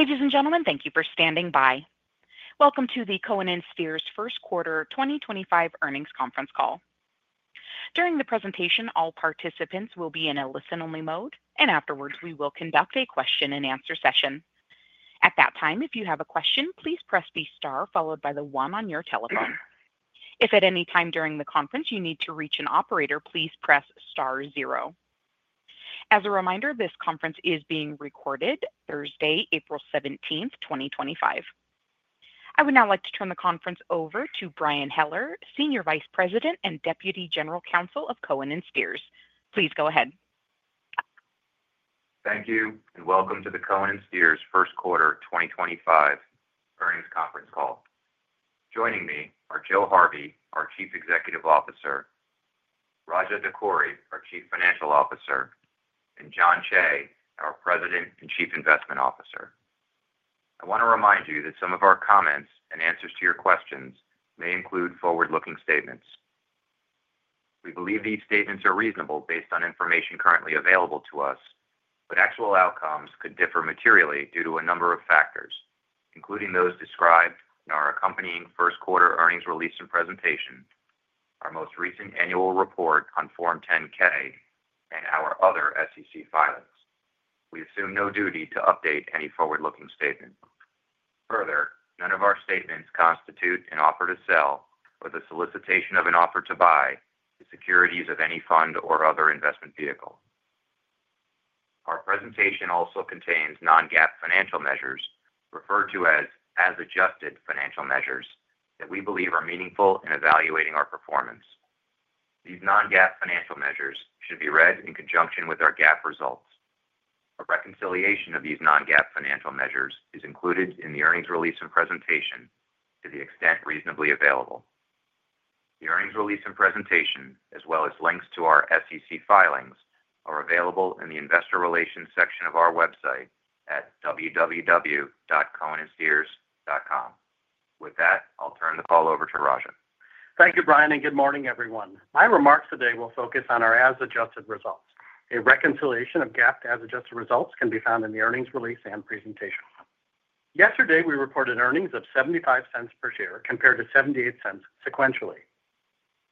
Ladies and gentlemen, thank you for standing by. Welcome to the Cohen & Steers first quarter 2025 earnings conference call. During the presentation, all participants will be in a listen-only mode, and afterwards we will conduct a question-and-answer session. At that time, if you have a question, please press the star followed by the one on your telephone. If at any time during the conference you need to reach an operator, please press star zero. As a reminder, this conference is being recorded Thursday, April 17th, 2025. I would now like to turn the conference over to Brian Heller, Senior Vice President and Deputy General Counsel of Cohen & Steers. Please go ahead. Thank you, and welcome to the Cohen & Steers first quarter 2025 earnings conference call. Joining me are Joe Harvey, our Chief Executive Officer; Raja Dakkuri, our Chief Financial Officer; and Jon Cheigh, our President and Chief Investment Officer. I want to remind you that some of our comments and answers to your questions may include forward-looking statements. We believe these statements are reasonable based on information currently available to us, but actual outcomes could differ materially due to a number of factors, including those described in our accompanying first quarter earnings release and presentation, our most recent annual report on Form 10-K, and our other SEC filings. We assume no duty to update any forward-looking statement. Further, none of our statements constitute an offer to sell or the solicitation of an offer to buy the securities of any fund or other investment vehicle. Our presentation also contains non-GAAP financial measures referred to as as-adjusted financial measures that we believe are meaningful in evaluating our performance. These non-GAAP financial measures should be read in conjunction with our GAAP results. A reconciliation of these non-GAAP financial measures is included in the earnings release and presentation to the extent reasonably available. The earnings release and presentation, as well as links to our SEC filings, are available in the investor relations section of our website at www.cohensteers.com. With that, I'll turn the call over to Raja. Thank you, Brian, and good morning, everyone. My remarks today will focus on our as-adjusted results. A reconciliation of GAAP as-adjusted results can be found in the earnings release and presentation. Yesterday, we reported earnings of $0.75 per share compared to $0.78 sequentially.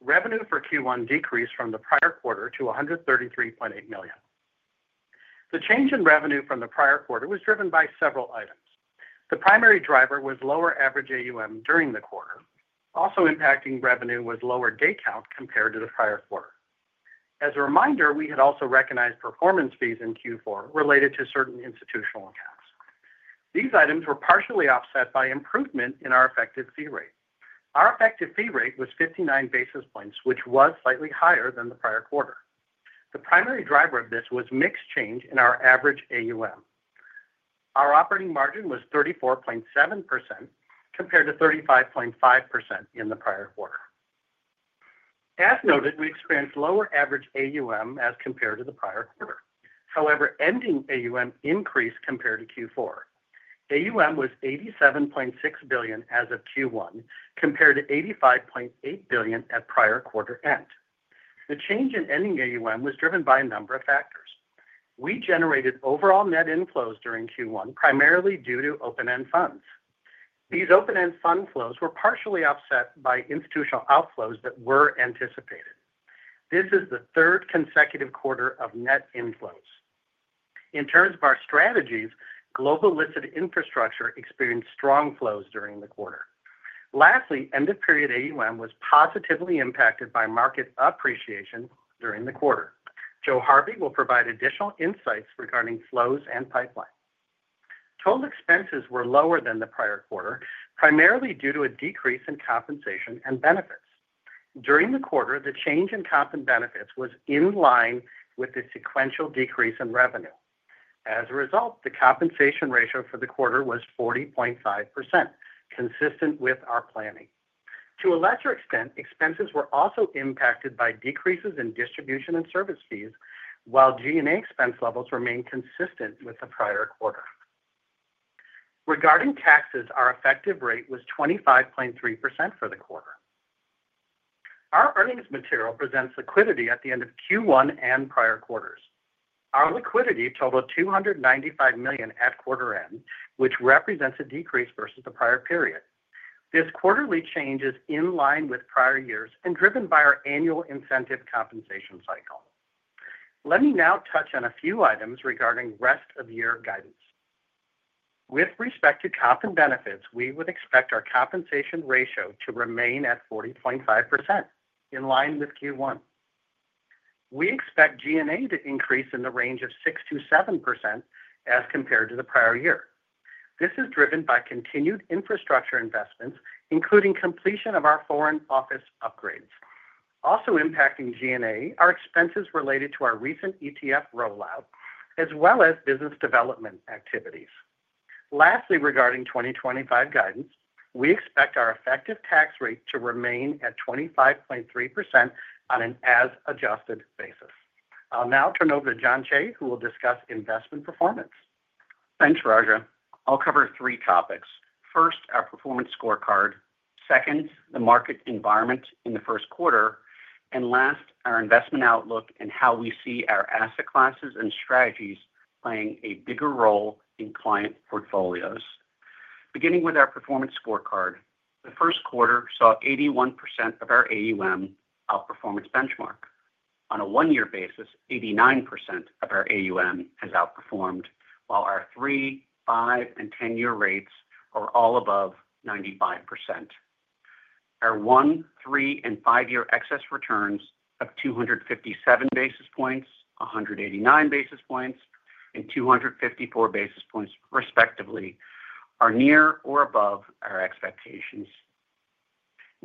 Revenue for Q1 decreased from the prior quarter to $133.8 million. The change in revenue from the prior quarter was driven by several items. The primary driver was lower average AUM during the quarter. Also impacting revenue was lower day count compared to the prior quarter. As a reminder, we had also recognized performance fees in Q4 related to certain institutional accounts. These items were partially offset by improvement in our effective fee rate. Our effective fee rate was 59 basis points, which was slightly higher than the prior quarter. The primary driver of this was mix change in our average AUM. Our operating margin was 34.7% compared to 35.5% in the prior quarter. As noted, we experienced lower average AUM as compared to the prior quarter. However, ending AUM increased compared to Q4. AUM was $87.6 billion as of Q1 compared to $85.8 billion at prior quarter end. The change in ending AUM was driven by a number of factors. We generated overall net inflows during Q1 primarily due to open-end funds. These open-end fund flows were partially offset by institutional outflows that were anticipated. This is the third consecutive quarter of net inflows. In terms of our strategies, global listed infrastructure experienced strong flows during the quarter. Lastly, end-of-period AUM was positively impacted by market appreciation during the quarter. Joe Harvey will provide additional insights regarding flows and pipeline. Total expenses were lower than the prior quarter, primarily due to a decrease in compensation and benefits. During the quarter, the change in comp and benefits was in line with the sequential decrease in revenue. As a result, the compensation ratio for the quarter was 40.5%, consistent with our planning. To a lesser extent, expenses were also impacted by decreases in distribution and service fees, while G&A expense levels remained consistent with the prior quarter. Regarding taxes, our effective rate was 25.3% for the quarter. Our earnings material presents liquidity at the end of Q1 and prior quarters. Our liquidity totaled $295 million at quarter end, which represents a decrease versus the prior period. This quarterly change is in line with prior years and driven by our annual incentive compensation cycle. Let me now touch on a few items regarding rest-of-year guidance. With respect to comp and benefits, we would expect our compensation ratio to remain at 40.5% in line with Q1. We expect G&A to increase in the range of 6%-7% as compared to the prior year. This is driven by continued infrastructure investments, including completion of our foreign office upgrades. Also impacting G&A are expenses related to our recent ETF rollout, as well as business development activities. Lastly, regarding 2025 guidance, we expect our effective tax rate to remain at 25.3% on an as-adjusted basis. I'll now turn over to Jon Cheigh, who will discuss investment performance. Thanks, Raja. I'll cover three topics. First, our performance scorecard. Second, the market environment in the first quarter. And last, our investment outlook and how we see our asset classes and strategies playing a bigger role in client portfolios. Beginning with our performance scorecard, the first quarter saw 81% of our AUM outperformance benchmark. On a one-year basis, 89% of our AUM has outperformed, while our three, five, and ten-year rates are all above 95%. Our one, three, and five-year excess returns of 257 basis points, 189 basis points, and 254 basis points, respectively, are near or above our expectations.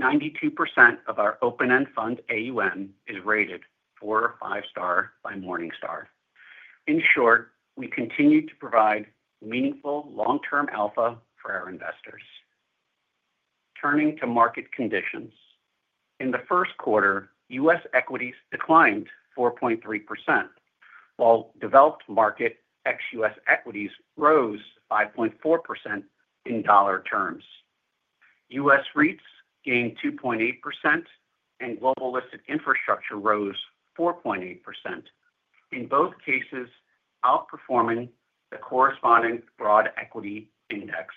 92% of our open-end fund AUM is rated four or five-star by Morningstar. In short, we continue to provide meaningful long-term alpha for our investors. Turning to market conditions, in the first quarter, U.S. equities declined 4.3%, while developed market ex-U.S. equities rose 5.4% in dollar terms. U.S. REITs gained 2.8%, and global listed infrastructure rose 4.8%, in both cases outperforming the corresponding broad equity index.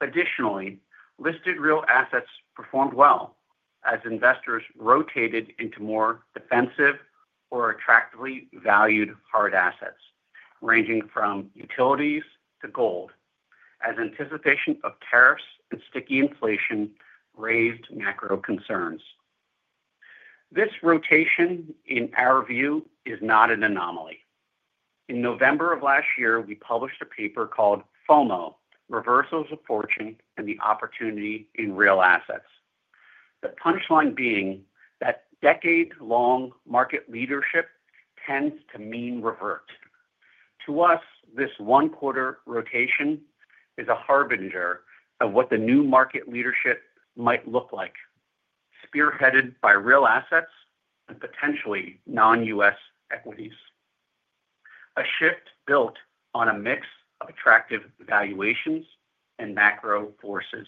Additionally, listed real assets performed well as investors rotated into more defensive or attractively valued hard assets, ranging from utilities to gold, as anticipation of tariffs and sticky inflation raised macro concerns. This rotation, in our view, is not an anomaly. In November of last year, we published a paper called FOMO: Reversals of Fortune and the Opportunity in Real Assets. The punchline being that decade-long market leadership tends to mean revert. To us, this one-quarter rotation is a harbinger of what the new market leadership might look like, spearheaded by real assets and potentially non-U.S. equities. A shift built on a mix of attractive valuations and macro forces.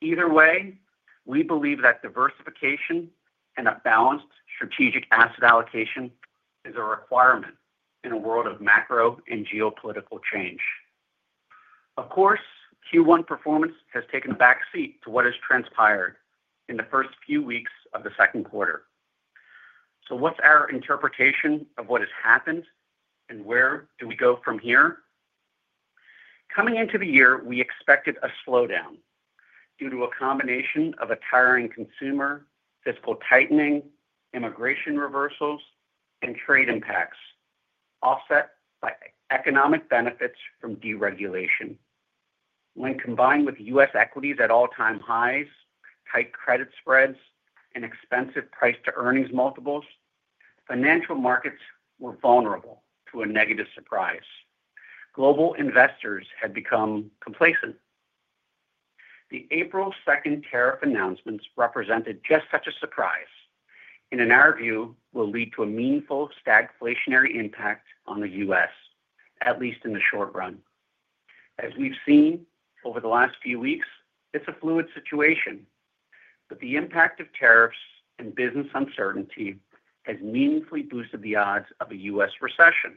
Either way, we believe that diversification and a balanced strategic asset allocation is a requirement in a world of macro and geopolitical change. Of course, Q1 performance has taken a backseat to what has transpired in the first few weeks of the second quarter. What is our interpretation of what has happened, and where do we go from here? Coming into the year, we expected a slowdown due to a combination of a tiring consumer, fiscal tightening, immigration reversals, and trade impacts offset by economic benefits from deregulation. When combined with U.S. equities at all-time highs, tight credit spreads, and expensive price-to-earnings multiples, financial markets were vulnerable to a negative surprise. Global investors had become complacent. The April 2 tariff announcements represented just such a surprise and, in our view, will lead to a meaningful stagflationary impact on the U.S., at least in the short run. As we've seen over the last few weeks, it's a fluid situation, but the impact of tariffs and business uncertainty has meaningfully boosted the odds of a U.S. recession,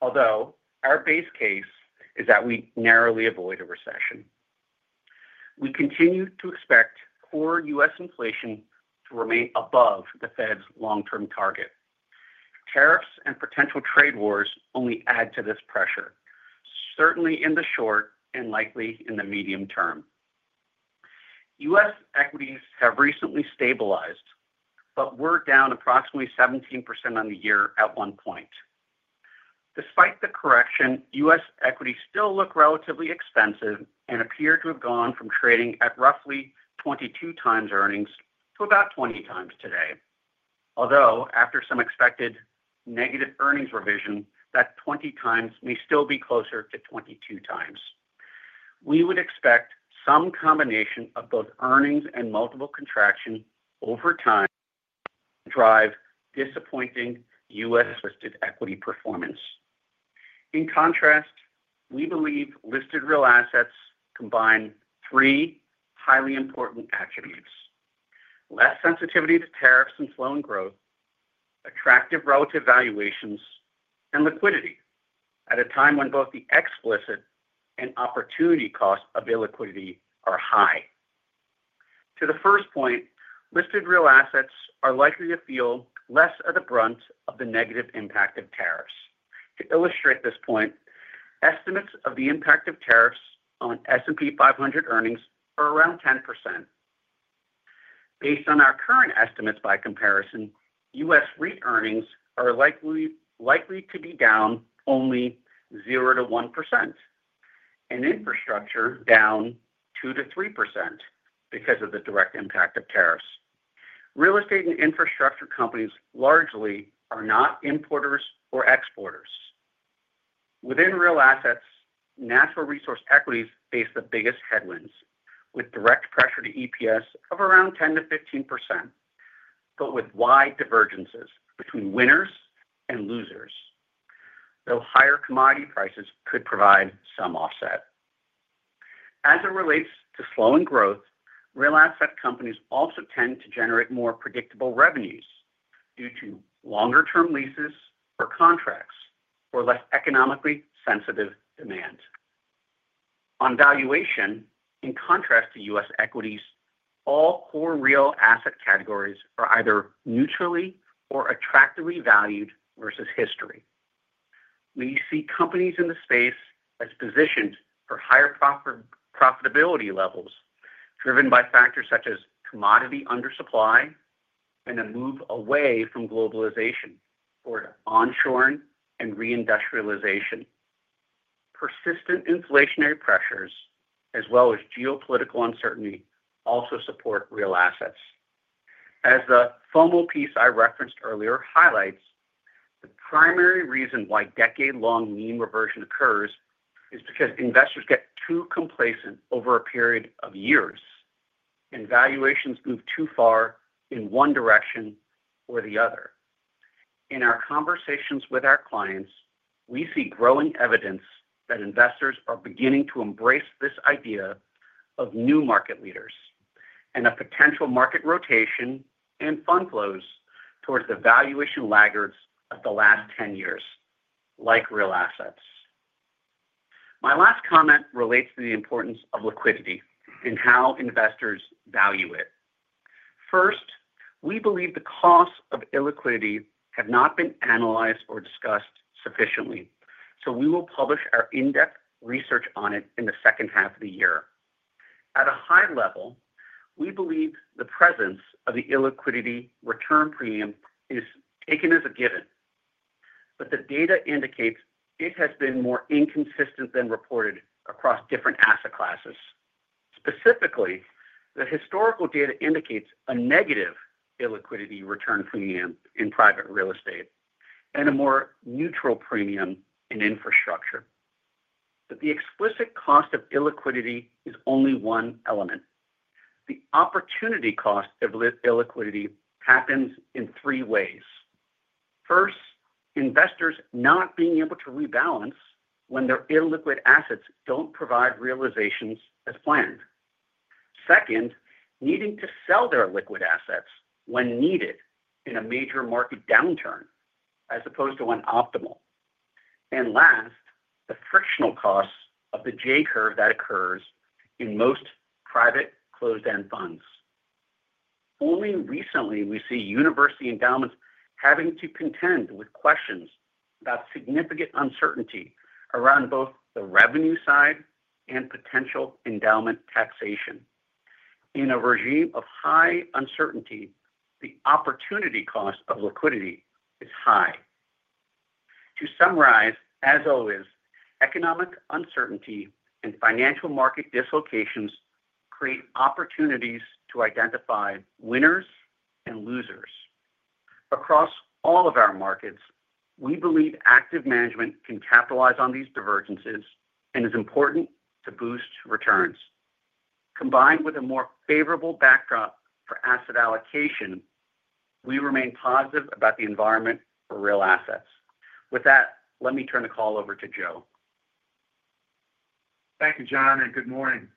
although our base case is that we narrowly avoid a recession. We continue to expect core U.S. inflation to remain above the Fed's long-term target. Tariffs and potential trade wars only add to this pressure, certainly in the short and likely in the medium term. U.S. equities have recently stabilized, but were down approximately 17% on the year at one point. Despite the correction, U.S. equities still look relatively expensive and appear to have gone from trading at roughly 22 times earnings to about 20 times today, although after some expected negative earnings revision, that 20 times may still be closer to 22 times. We would expect some combination of both earnings and multiple contraction over time to drive disappointing U.S. listed equity performance. In contrast, we believe listed real assets combine three highly important attributes: less sensitivity to tariffs and slowing growth, attractive relative valuations, and liquidity at a time when both the explicit and opportunity cost of illiquidity are high. To the first point, listed real assets are likely to feel less of the brunt of the negative impact of tariffs. To illustrate this point, estimates of the impact of tariffs on S&P 500 earnings are around 10%. Based on our current estimates by comparison, U.S. REIT earnings are likely to be down only 0%-1%, and infrastructure down 2%-3% because of the direct impact of tariffs. Real estate and infrastructure companies largely are not importers or exporters. Within real assets, natural resource equities face the biggest headwinds, with direct pressure to EPS of around 10%-15%, but with wide divergences between winners and losers, though higher commodity prices could provide some offset. As it relates to slowing growth, real asset companies also tend to generate more predictable revenues due to longer-term leases or contracts or less economically sensitive demand. On valuation, in contrast to U.S. equities, all core real asset categories are either neutrally or attractively valued versus history. We see companies in the space as positioned for higher profitability levels, driven by factors such as commodity undersupply and a move away from globalization toward onshoring and reindustrialization. Persistent inflationary pressures, as well as geopolitical uncertainty, also support real assets. As the FOMO piece I referenced earlier highlights, the primary reason why decade-long mean reversion occurs is because investors get too complacent over a period of years, and valuations move too far in one direction or the other. In our conversations with our clients, we see growing evidence that investors are beginning to embrace this idea of new market leaders and a potential market rotation and fund flows towards the valuation laggards of the last 10 years, like real assets. My last comment relates to the importance of liquidity and how investors value it. First, we believe the costs of illiquidity have not been analyzed or discussed sufficiently, so we will publish our in-depth research on it in the second half of the year. At a high level, we believe the presence of the illiquidity return premium is taken as a given, but the data indicates it has been more inconsistent than reported across different asset classes. Specifically, the historical data indicates a negative illiquidity return premium in private real estate and a more neutral premium in infrastructure. The explicit cost of illiquidity is only one element. The opportunity cost of illiquidity happens in three ways. First, investors not being able to rebalance when their illiquid assets do not provide realizations as planned. Second, needing to sell their illiquid assets when needed in a major market downturn as opposed to when optimal. Last, the frictional costs of the J-curve that occurs in most private closed-end funds. Only recently do we see university endowments having to contend with questions about significant uncertainty around both the revenue side and potential endowment taxation. In a regime of high uncertainty, the opportunity cost of liquidity is high. To summarize, as always, economic uncertainty and financial market dislocations create opportunities to identify winners and losers. Across all of our markets, we believe active management can capitalize on these divergences and is important to boost returns. Combined with a more favorable backdrop for asset allocation, we remain positive about the environment for real assets. With that, let me turn the call over to Joe. Thank you, Jon, and good morning.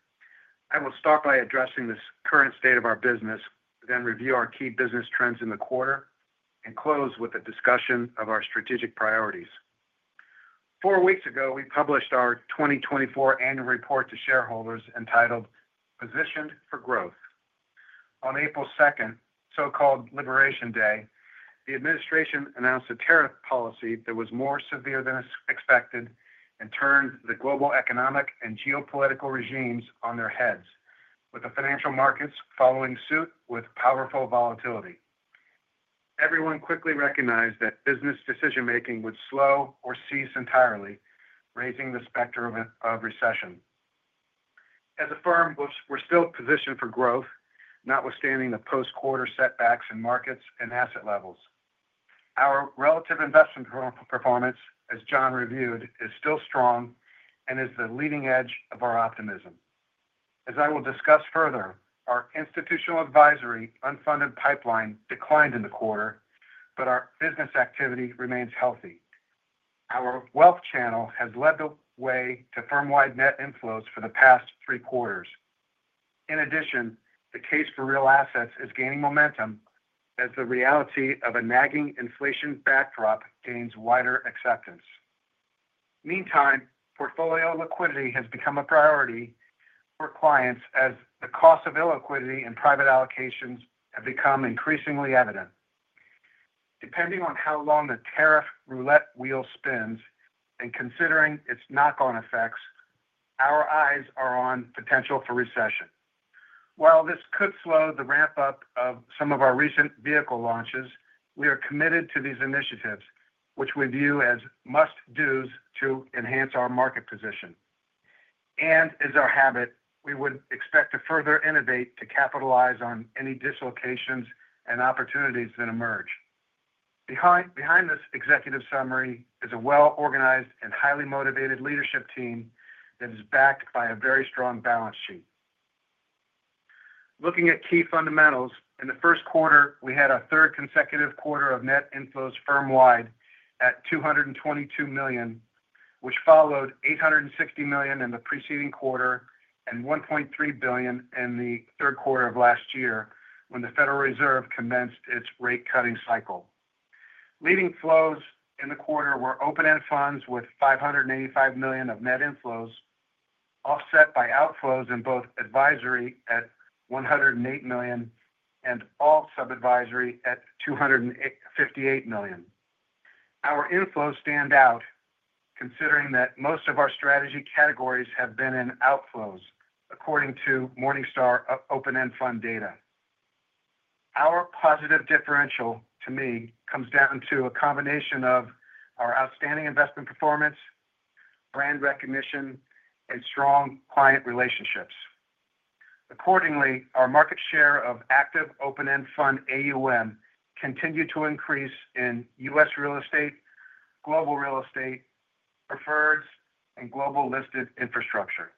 I will start by addressing the current state of our business, then review our key business trends in the quarter, and close with a discussion of our strategic priorities. Four weeks ago, we published our 2024 annual report to shareholders entitled "Positioned for Growth." On April 2nd, so-called Liberation Day, the administration announced a tariff policy that was more severe than expected and turned the global economic and geopolitical regimes on their heads, with the financial markets following suit with powerful volatility. Everyone quickly recognized that business decision-making would slow or cease entirely, raising the specter of recession. As a firm, we're still positioned for growth, notwithstanding the post-quarter setbacks in markets and asset levels. Our relative investment performance, as Jon reviewed, is still strong and is the leading edge of our optimism. As I will discuss further, our institutional advisory unfunded pipeline declined in the quarter, but our business activity remains healthy. Our wealth channel has led the way to firm-wide net inflows for the past three quarters. In addition, the case for real assets is gaining momentum as the reality of a nagging inflation backdrop gains wider acceptance. Meantime, portfolio liquidity has become a priority for clients as the cost of illiquidity in private allocations has become increasingly evident. Depending on how long the tariff roulette wheel spins and considering its knock-on effects, our eyes are on potential for recession. While this could slow the ramp-up of some of our recent vehicle launches, we are committed to these initiatives, which we view as must-dos to enhance our market position. As our habit, we would expect to further innovate to capitalize on any dislocations and opportunities that emerge. Behind this executive summary is a well-organized and highly motivated leadership team that is backed by a very strong balance sheet. Looking at key fundamentals, in the first quarter, we had a third consecutive quarter of net inflows firm-wide at $222 million, which followed $860 million in the preceding quarter and $1.3 billion in the third quarter of last year when the Federal Reserve commenced its rate-cutting cycle. Leading flows in the quarter were open-end funds with $585 million of net inflows, offset by outflows in both advisory at $108 million and all sub-advisory at $258 million. Our inflows stand out, considering that most of our strategy categories have been in outflows, according to Morningstar open-end fund data. Our positive differential, to me, comes down to a combination of our outstanding investment performance, brand recognition, and strong client relationships. Accordingly, our market share of active open-end fund AUM continued to increase in U.S. real estate, global real estate, preferreds, and global listed infrastructure.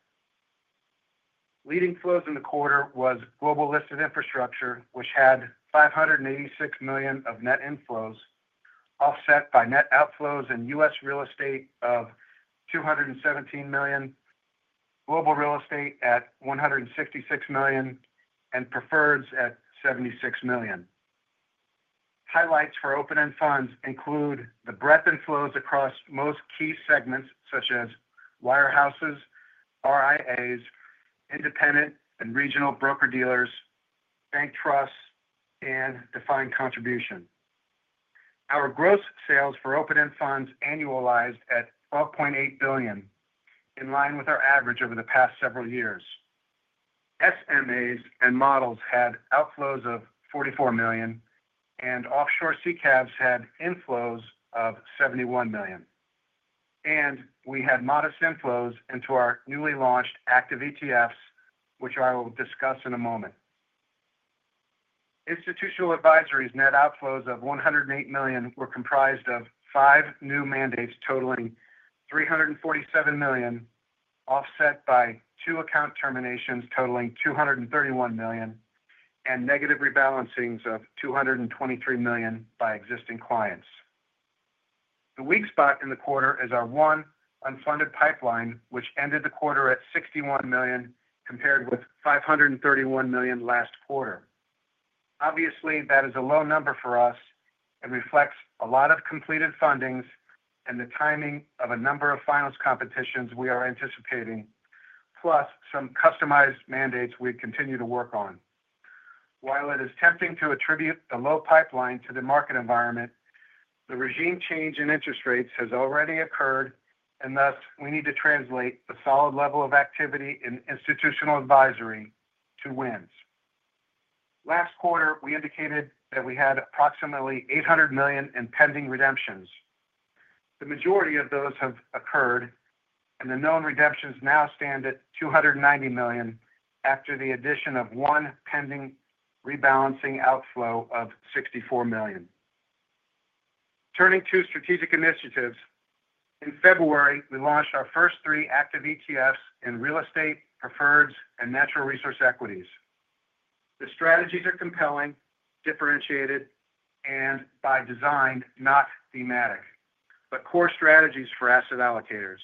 Leading flows in the quarter was global listed infrastructure, which had $586 million of net inflows, offset by net outflows in U.S. real estate of $217 million, global real estate at $166 million, and preferreds at $76 million. Highlights for open-end funds include the breadth and flows across most key segments, such as wirehouses, RIAs, independent and regional broker-dealers, bank trusts, and defined contribution. Our gross sales for open-end funds annualized at $12.8 billion, in line with our average over the past several years. SMAs and models had outflows of $44 million, and offshore SICAVs had inflows of $71 million. We had modest inflows into our newly launched active ETFs, which I will discuss in a moment. Institutional advisory's net outflows of $108 million were comprised of five new mandates totaling $347 million, offset by two account terminations totaling $231 million, and negative rebalancings of $223 million by existing clients. The weak spot in the quarter is our one unfunded pipeline, which ended the quarter at $61 million compared with $531 million last quarter. Obviously, that is a low number for us and reflects a lot of completed fundings and the timing of a number of finals competitions we are anticipating, plus some customized mandates we continue to work on. While it is tempting to attribute the low pipeline to the market environment, the regime change in interest rates has already occurred, and thus we need to translate the solid level of activity in institutional advisory to wins. Last quarter, we indicated that we had approximately $800 million in pending redemptions. The majority of those have occurred, and the known redemptions now stand at $290 million after the addition of one pending rebalancing outflow of $64 million. Turning to strategic initiatives, in February, we launched our first three active ETFs in real estate, preferreds, and natural resource equities. The strategies are compelling, differentiated, and by design, not thematic, but core strategies for asset allocators.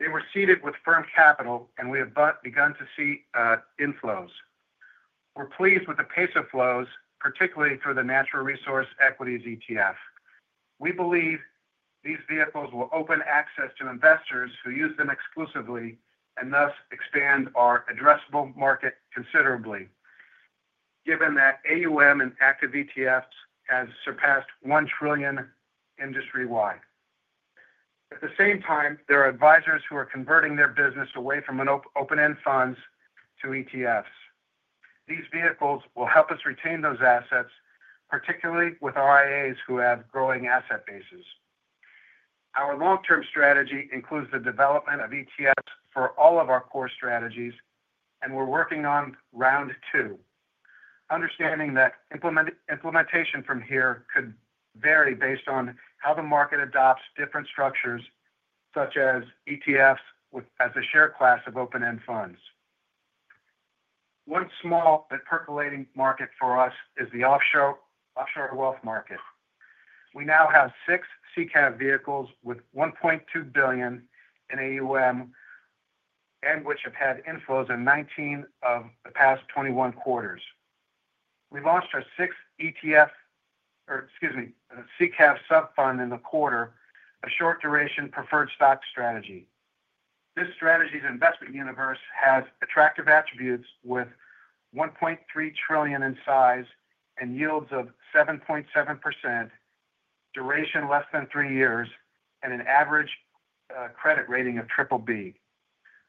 They were seeded with firm capital, and we have begun to see inflows. We're pleased with the pace of flows, particularly through the natural resource equities ETF. We believe these vehicles will open access to investors who use them exclusively and thus expand our addressable market considerably, given that AUM in active ETFs has surpassed $1 trillion industry-wide. At the same time, there are advisors who are converting their business away from open-end funds to ETFs. These vehicles will help us retain those assets, particularly with RIAs who have growing asset bases. Our long-term strategy includes the development of ETFs for all of our core strategies, and we're working on round two, understanding that implementation from here could vary based on how the market adopts different structures, such as ETFs as a share class of open-end funds. One small but percolating market for us is the offshore wealth market. We now have six SICAV vehicles with $1.2 billion in AUM and which have had inflows in 19 of the past 21 quarters. We launched our sixth SICAV sub-fund in the quarter, a short-duration preferred stock strategy. This strategy's investment universe has attractive attributes with $1.3 trillion in size and yields of 7.7%, duration less than three years, and an average credit rating of triple B.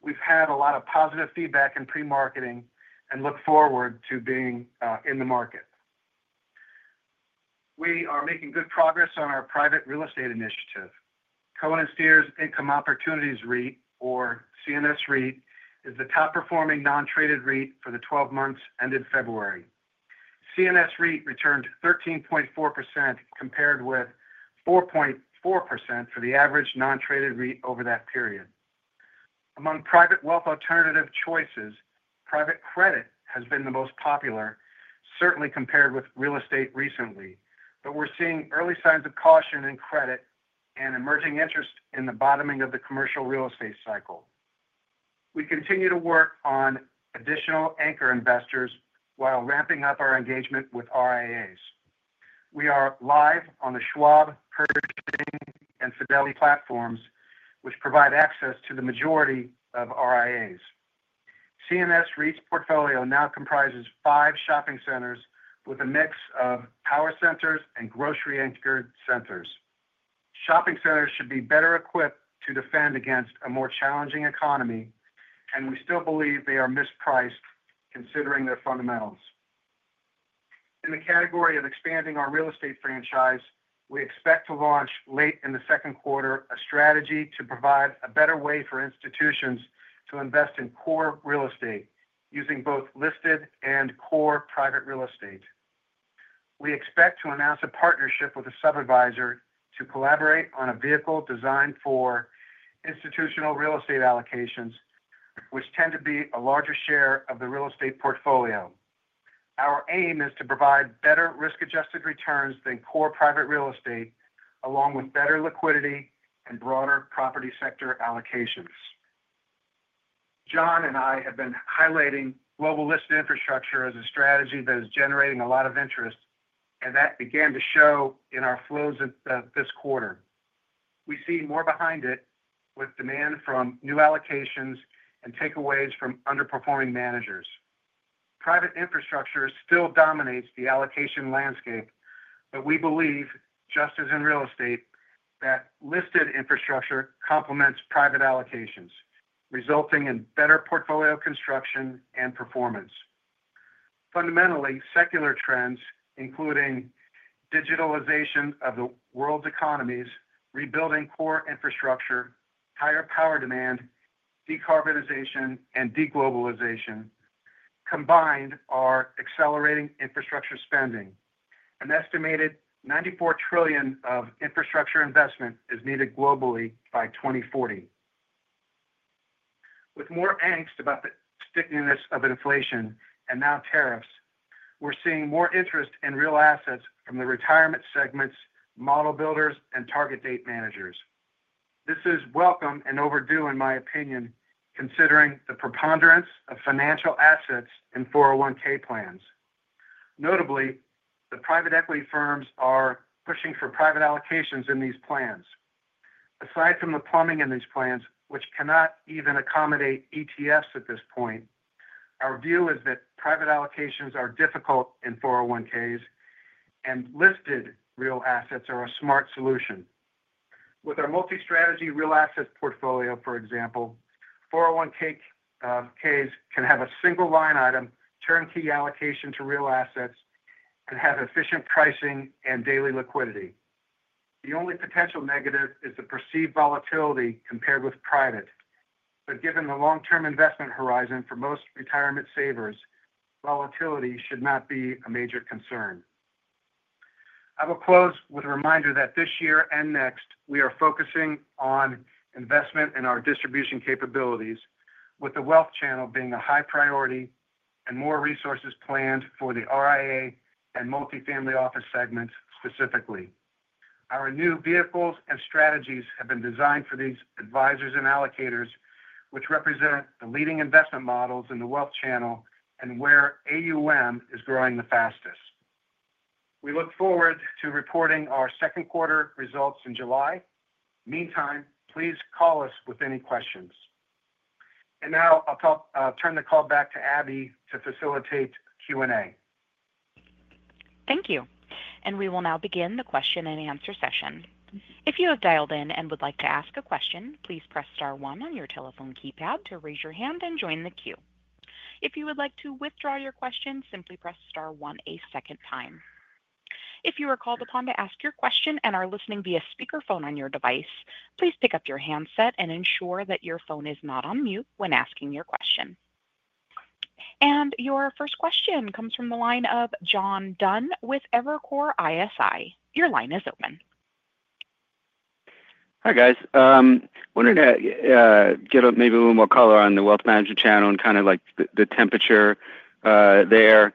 We've had a lot of positive feedback in pre-marketing and look forward to being in the market. We are making good progress on our private real estate initiative. Cohen & Steers Income Opportunities REIT, or CNS REIT, is the top-performing non-traded REIT for the 12 months ended February. CNS REIT returned 13.4% compared with 4.4% for the average non-traded REIT over that period. Among private wealth alternative choices, private credit has been the most popular, certainly compared with real estate recently, but we're seeing early signs of caution in credit and emerging interest in the bottoming of the commercial real estate cycle. We continue to work on additional anchor investors while ramping up our engagement with RIAs. We are live on the Schwab, Pershing, and Fidelity platforms, which provide access to the majority of RIAs. CNS REIT's portfolio now comprises five shopping centers with a mix of power centers and grocery-anchored centers. Shopping centers should be better equipped to defend against a more challenging economy, and we still believe they are mispriced considering their fundamentals. In the category of expanding our real estate franchise, we expect to launch late in the second quarter a strategy to provide a better way for institutions to invest in core real estate using both listed and core private real estate. We expect to announce a partnership with a sub-advisor to collaborate on a vehicle designed for institutional real estate allocations, which tend to be a larger share of the real estate portfolio. Our aim is to provide better risk-adjusted returns than core private real estate, along with better liquidity and broader property sector allocations. Jon and I have been highlighting global listed infrastructure as a strategy that is generating a lot of interest, and that began to show in our flows this quarter. We see more behind it with demand from new allocations and takeaways from underperforming managers. Private infrastructure still dominates the allocation landscape, but we believe, just as in real estate, that listed infrastructure complements private allocations, resulting in better portfolio construction and performance. Fundamentally, secular trends, including digitalization of the world's economies, rebuilding core infrastructure, higher power demand, decarbonization, and deglobalization, combined are accelerating infrastructure spending. An estimated $94 trillion of infrastructure investment is needed globally by 2040. With more angst about the stickiness of inflation and now tariffs, we're seeing more interest in real assets from the retirement segments, model builders, and target date managers. This is welcome and overdue, in my opinion, considering the preponderance of financial assets in 401(k) plans. Notably, the private equity firms are pushing for private allocations in these plans. Aside from the plumbing in these plans, which cannot even accommodate ETFs at this point, our view is that private allocations are difficult in 401(k)s, and listed real assets are a smart solution. With our multi-strategy real assets portfolio, for example, 401(k)s can have a single line item, turnkey allocation to real assets, and have efficient pricing and daily liquidity. The only potential negative is the perceived volatility compared with private, but given the long-term investment horizon for most retirement savers, volatility should not be a major concern. I will close with a reminder that this year and next, we are focusing on investment in our distribution capabilities, with the wealth channel being a high priority and more resources planned for the RIA and multifamily office segments specifically. Our new vehicles and strategies have been designed for these advisors and allocators, which represent the leading investment models in the wealth channel and where AUM is growing the fastest. We look forward to reporting our second quarter results in July. Meantime, please call us with any questions. I will now turn the call back to Abby to facilitate Q&A. Thank you. We will now begin the question-and-answer session. If you have dialed in and would like to ask a question, please press star one on your telephone keypad to raise your hand and join the queue. If you would like to withdraw your question, simply press star one a second time. If you are called upon to ask your question and are listening via speakerphone on your device, please pick up your handset and ensure that your phone is not on mute when asking your question. Your first question comes from the line of John Dunn with Evercore ISI. Your line is open. Hi, guys. Wanted to get maybe a little more color on the wealth management channel and kind of like the temperature there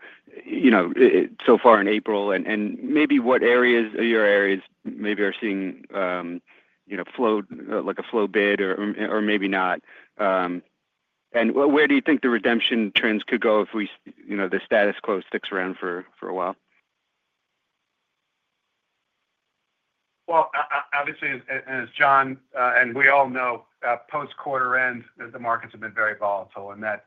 so far in April and maybe what areas or your areas maybe are seeing a flow bid or maybe not. And where do you think the redemption trends could go if the status quo sticks around for a while? Obviously, as John and we all know, post-quarter end, the markets have been very volatile, and that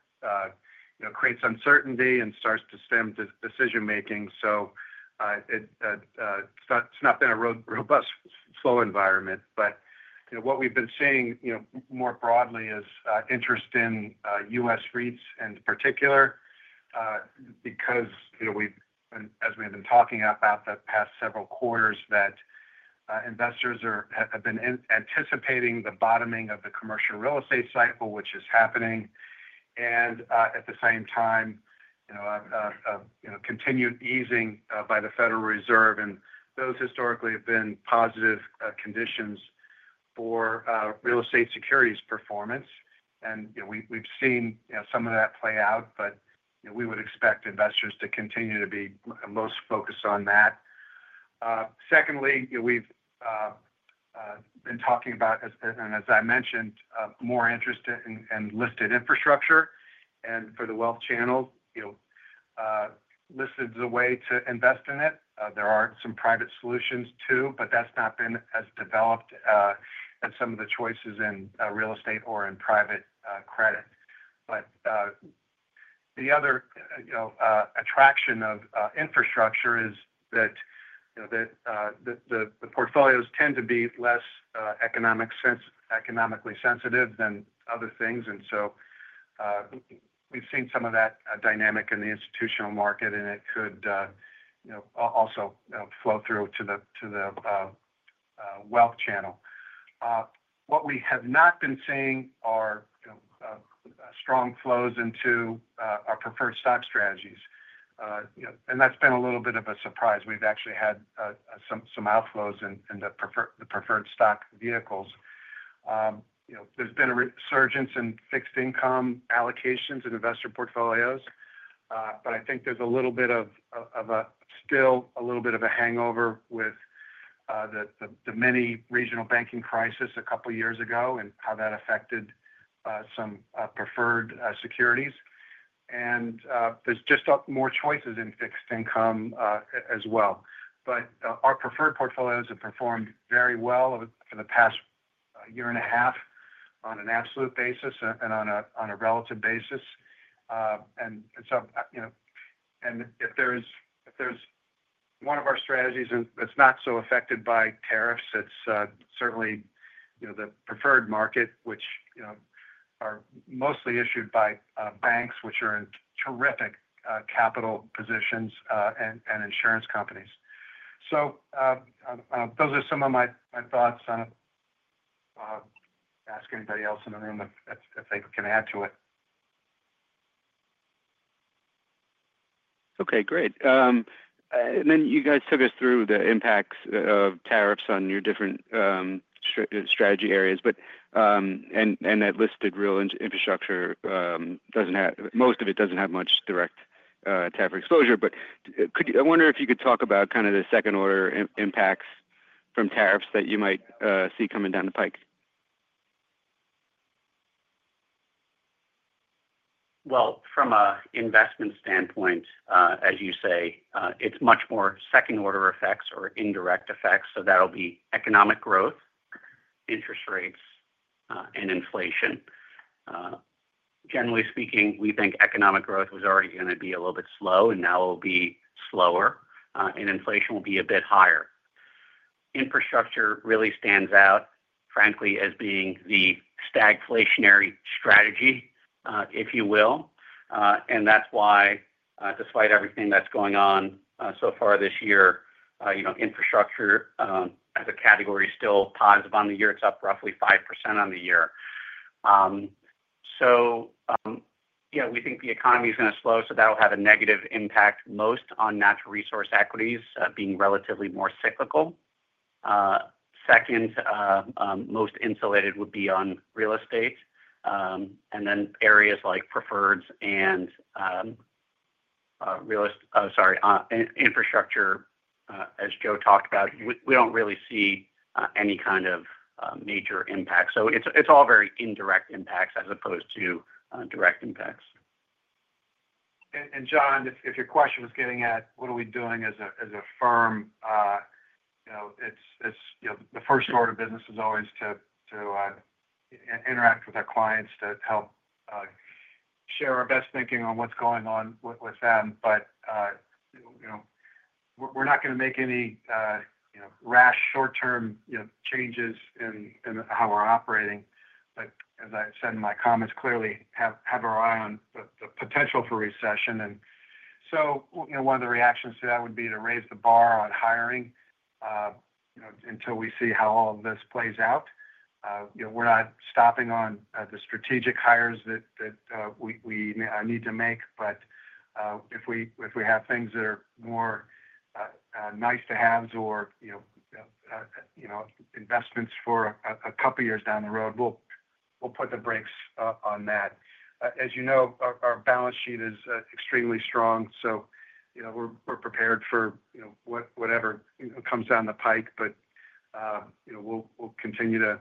creates uncertainty and starts to stem decision-making. It has not been a robust flow environment. What we have been seeing more broadly is interest in U.S. REITs in particular because, as we have been talking about the past several quarters, investors have been anticipating the bottoming of the commercial real estate cycle, which is happening. At the same time, continued easing by the Federal Reserve, and those historically have been positive conditions for real estate securities performance. We have seen some of that play out, but we would expect investors to continue to be most focused on that. Secondly, we have been talking about, and as I mentioned, more interest in listed infrastructure. For the wealth channel, listed is a way to invest in it. There are some private solutions too, but that's not been as developed as some of the choices in real estate or in private credit. The other attraction of infrastructure is that the portfolios tend to be less economically sensitive than other things. We've seen some of that dynamic in the institutional market, and it could also flow through to the wealth channel. What we have not been seeing are strong flows into our preferred stock strategies. That's been a little bit of a surprise. We've actually had some outflows in the preferred stock vehicles. There's been a resurgence in fixed income allocations in investor portfolios, but I think there's still a little bit of a hangover with the many regional banking crises a couple of years ago and how that affected some preferred securities. There are just more choices in fixed income as well. Our preferred portfolios have performed very well for the past year and a half on an absolute basis and on a relative basis. If there is one of our strategies that is not so affected by tariffs, it is certainly the preferred market, which is mostly issued by banks, which are in terrific capital positions, and insurance companies. Those are some of my thoughts. I do not know if anybody else in the room can add to it. Okay, great. You guys took us through the impacts of tariffs on your different strategy areas. That listed real infrastructure, most of it does not have much direct tariff exposure. I wonder if you could talk about kind of the second-order impacts from tariffs that you might see coming down the pike. From an investment standpoint, as you say, it's much more second-order effects or indirect effects. That'll be economic growth, interest rates, and inflation. Generally speaking, we think economic growth was already going to be a little bit slow, and now it'll be slower, and inflation will be a bit higher. Infrastructure really stands out, frankly, as being the stagflationary strategy, if you will. That's why, despite everything that's going on so far this year, infrastructure as a category is still positive on the year. It's up roughly 5% on the year. Yeah, we think the economy is going to slow. That'll have a negative impact most on natural resource equities being relatively more cyclical. Second, most insulated would be on real estate. Then areas like preferreds and, sorry, infrastructure, as Joe talked about, we don't really see any kind of major impact. It is all very indirect impacts as opposed to direct impacts. If your question was getting at what are we doing as a firm, the first order of business is always to interact with our clients to help share our best thinking on what's going on with them. We are not going to make any rash short-term changes in how we are operating. As I said in my comments, we clearly have our eye on the potential for recession. One of the reactions to that would be to raise the bar on hiring until we see how all of this plays out. We are not stopping on the strategic hires that we need to make. If we have things that are more nice-to-haves or investments for a couple of years down the road, we will put the brakes on that. As you know, our balance sheet is extremely strong. We are prepared for whatever comes down the pike. We will continue to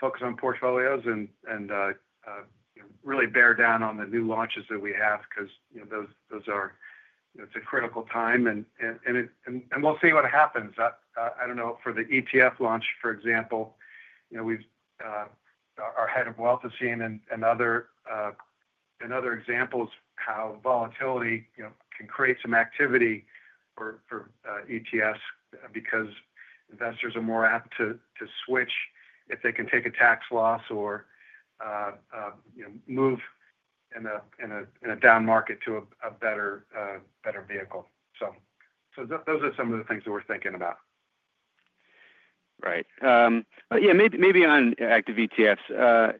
focus on portfolios and really bear down on the new launches that we have because those are, it's a critical time. We will see what happens. I do not know for the ETF launch, for example. Our head of wealth has seen in other examples how volatility can create some activity for ETFs because investors are more apt to switch if they can take a tax loss or move in a down market to a better vehicle. Those are some of the things that we are thinking about. Right. Yeah, maybe on active ETFs.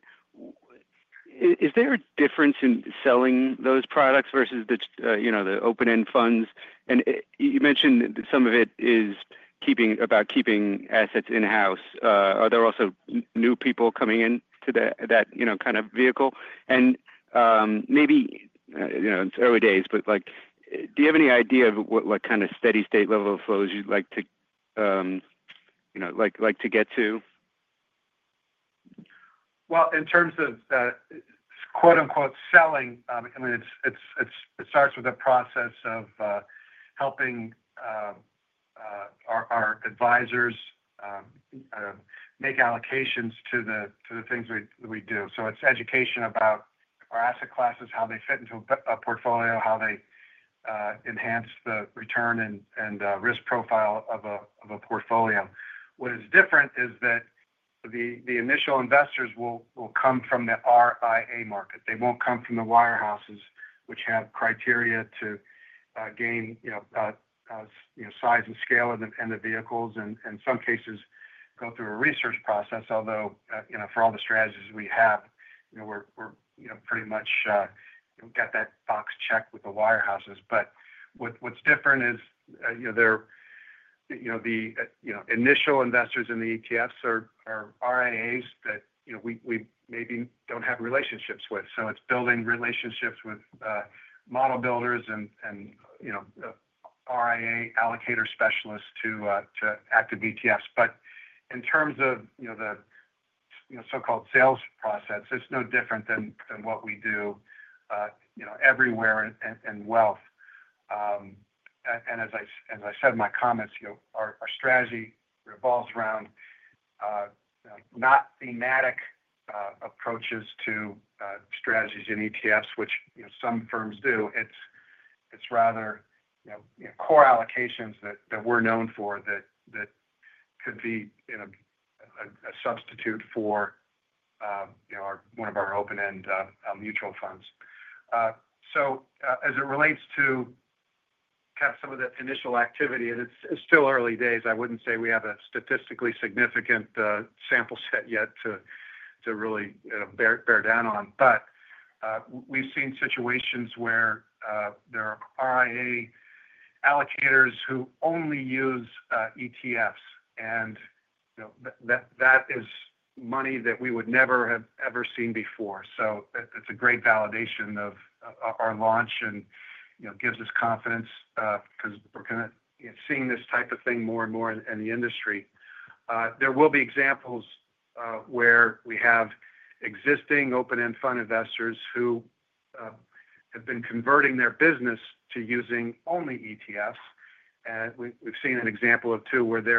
Is there a difference in selling those products versus the open-end funds? You mentioned some of it is about keeping assets in-house. Are there also new people coming into that kind of vehicle? Maybe it's early days, but do you have any idea of what kind of steady-state level of flows you'd like to get to? In terms of "selling," I mean, it starts with a process of helping our advisors make allocations to the things that we do. So it's education about our asset classes, how they fit into a portfolio, how they enhance the return and risk profile of a portfolio. What is different is that the initial investors will come from the RIA market. They won't come from the wirehouses, which have criteria to gain size and scale in the vehicles and, in some cases, go through a research process. Although for all the strategies we have, we've pretty much got that box checked with the wirehouses. What is different is the initial investors in the ETFs are RIAs that we maybe don't have relationships with. So it's building relationships with model builders and RIA allocator specialists to active ETFs. In terms of the so-called sales process, it's no different than what we do everywhere in wealth. As I said in my comments, our strategy revolves around not thematic approaches to strategies in ETFs, which some firms do. It's rather core allocations that we're known for that could be a substitute for one of our open-end mutual funds. As it relates to kind of some of the initial activity, it's still early days. I wouldn't say we have a statistically significant sample set yet to really bear down on. We've seen situations where there are RIA allocators who only use ETFs. That is money that we would never have ever seen before. It's a great validation of our launch and gives us confidence because we're kind of seeing this type of thing more and more in the industry. There will be examples where we have existing open-end fund investors who have been converting their business to using only ETFs. We have seen an example or two where they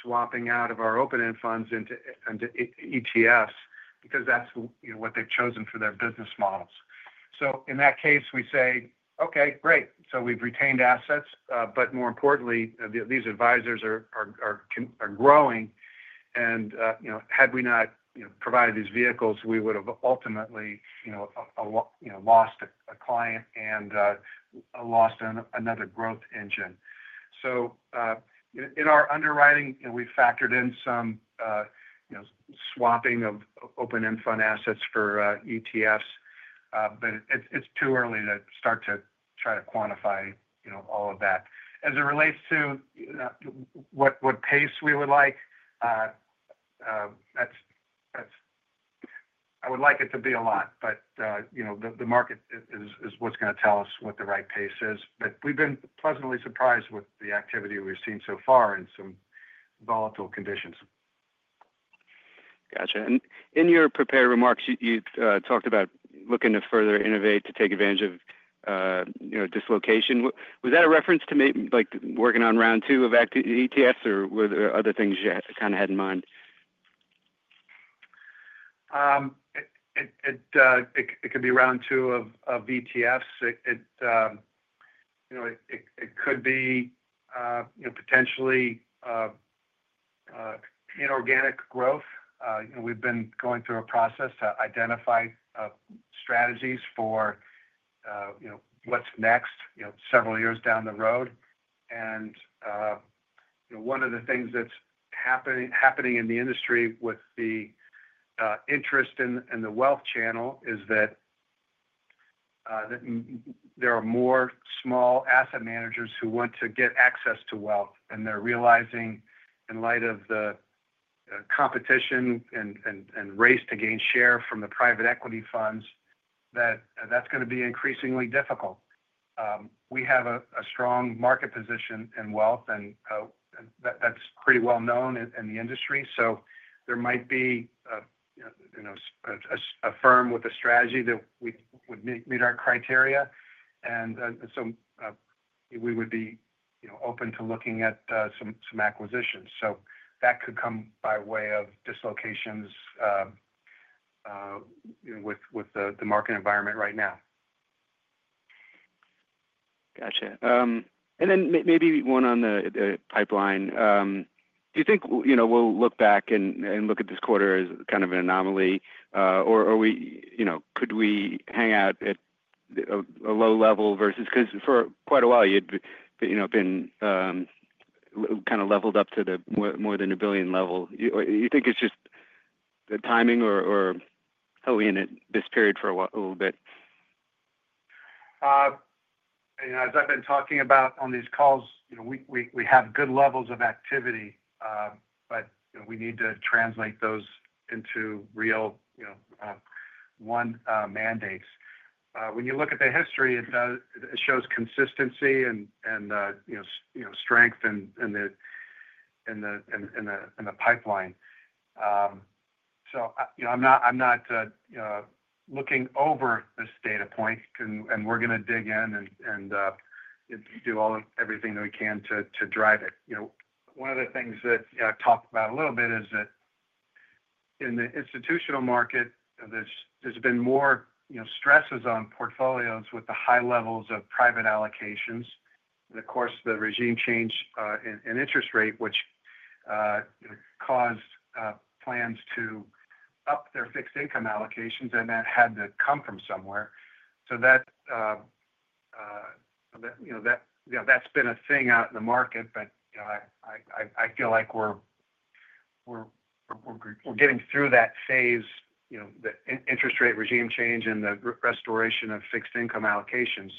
are swapping out of our open-end funds into ETFs because that is what they have chosen for their business models. In that case, we say, "Okay, great." We have retained assets. More importantly, these advisors are growing. Had we not provided these vehicles, we would have ultimately lost a client and lost another growth engine. In our underwriting, we have factored in some swapping of open-end fund assets for ETFs. It is too early to try to quantify all of that. As it relates to what pace we would like, I would like it to be a lot. The market is going to tell us what the right pace is. We have been pleasantly surprised with the activity we have seen so far in some volatile conditions. Gotcha. In your prepared remarks, you talked about looking to further innovate to take advantage of dislocation. Was that a reference to working on round two of active ETFs, or were there other things you kind of had in mind? It could be round two of ETFs. It could be potentially inorganic growth. We've been going through a process to identify strategies for what's next several years down the road. One of the things that's happening in the industry with the interest in the wealth channel is that there are more small asset managers who want to get access to wealth. They're realizing, in light of the competition and race to gain share from the private equity funds, that that's going to be increasingly difficult. We have a strong market position in wealth, and that's pretty well known in the industry. There might be a firm with a strategy that would meet our criteria. We would be open to looking at some acquisitions. That could come by way of dislocations with the market environment right now. Gotcha. Maybe one on the pipeline. Do you think we'll look back and look at this quarter as kind of an anomaly? Could we hang out at a low level versus because for quite a while, you've been kind of leveled up to the more than a billion level. You think it's just the timing or held in this period for a little bit? As I've been talking about on these calls, we have good levels of activity, but we need to translate those into real one mandates. When you look at the history, it shows consistency and strength in the pipeline. I'm not looking over this data point, and we're going to dig in and do everything that we can to drive it. One of the things that I talked about a little bit is that in the institutional market, there's been more stresses on portfolios with the high levels of private allocations. Of course, the regime change in interest rate, which caused plans to up their fixed income allocations, and that had to come from somewhere. That's been a thing out in the market. I feel like we're getting through that phase, the interest rate regime change and the restoration of fixed income allocations.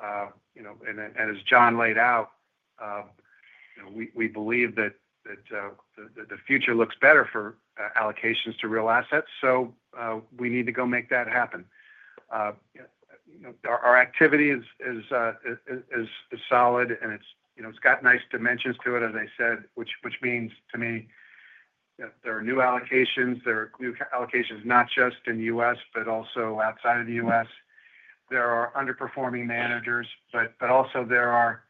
As Jon laid out, we believe that the future looks better for allocations to real assets. We need to go make that happen. Our activity is solid, and it has nice dimensions to it, as I said, which means to me there are new allocations. There are new allocations not just in the U.S., but also outside of the U.S. There are underperforming managers, but also there are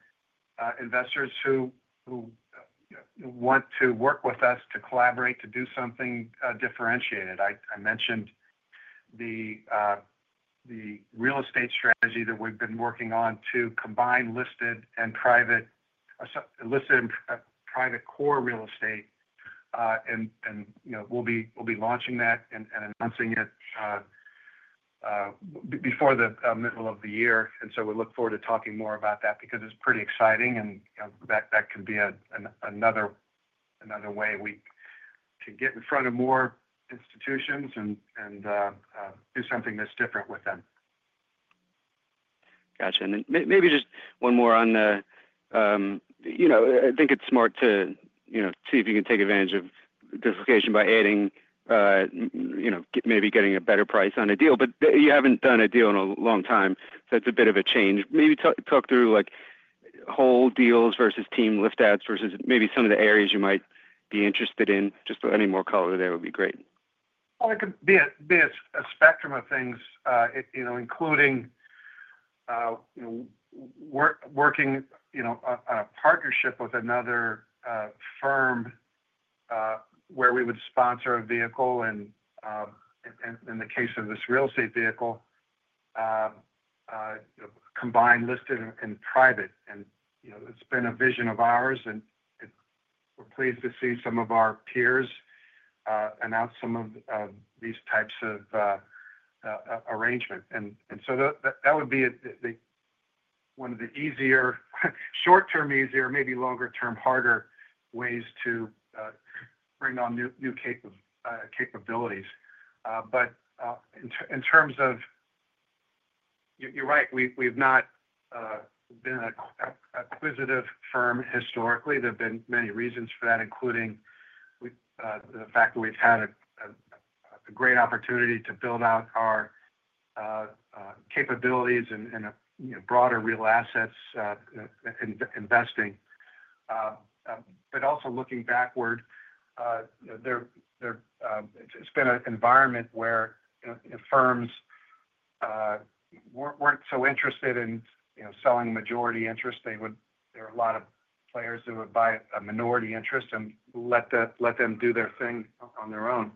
investors who want to work with us to collaborate, to do something differentiated. I mentioned the real estate strategy that we have been working on to combine listed and private core real estate. We will be launching that and announcing it before the middle of the year. We look forward to talking more about that because it is pretty exciting. That can be another way we can get in front of more institutions and do something that's different with them. Gotcha. Maybe just one more on the I think it's smart to see if you can take advantage of dislocation by maybe getting a better price on a deal. You haven't done a deal in a long time. It is a bit of a change. Maybe talk through whole deals versus team lift-outs versus maybe some of the areas you might be interested in. Just any more color there would be great. It could be a spectrum of things, including working on a partnership with another firm where we would sponsor a vehicle. In the case of this real estate vehicle, combined listed and private. It has been a vision of ours. We are pleased to see some of our peers announce some of these types of arrangements. That would be one of the easier short-term, easier, maybe longer-term, harder ways to bring on new capabilities. In terms of you're right, we have not been an acquisitive firm historically. There have been many reasons for that, including the fact that we have had a great opportunity to build out our capabilities in a broader real assets investing. Also looking backward, it has been an environment where firms were not so interested in selling majority interest. There were a lot of players who would buy a minority interest and let them do their thing on their own.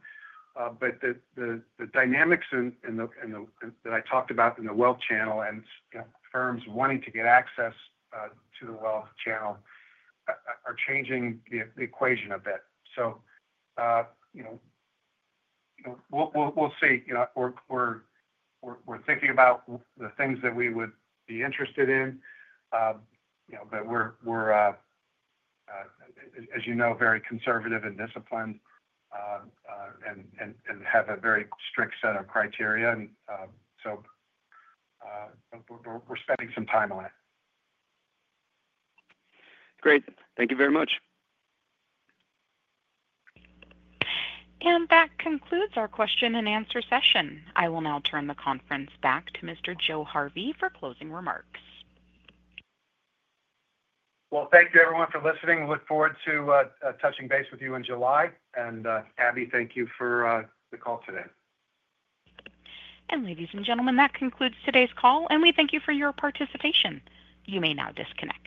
The dynamics that I talked about in the wealth channel and firms wanting to get access to the wealth channel are changing the equation a bit. We will see. We are thinking about the things that we would be interested in. We are, as you know, very conservative and disciplined and have a very strict set of criteria. We are spending some time on it. Great. Thank you very much. That concludes our question and answer session. I will now turn the conference back to Mr. Joe Harvey for closing remarks. Thank you, everyone, for listening. Look forward to touching base with you in July. And Abby, thank you for the call today. Ladies and gentlemen, that concludes today's call. We thank you for your participation. You may now disconnect.